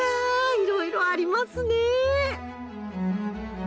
いろいろありますね！